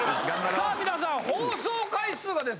さあ皆さん放送回数がですね